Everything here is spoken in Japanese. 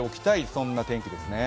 そんな天気ですね。